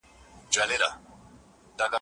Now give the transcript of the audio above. د نامحرمه نارينه وو او ښځو اختلاط څه فتنې زېږوي؟